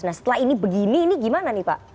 nah setelah ini begini ini gimana nih pak